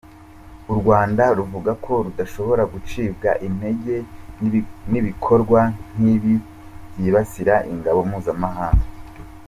U Rwanda ruvuga ko rudashobora gucibwa intege n'ibikorwa nk'ibi byibasira ingabo mpuzamahanga.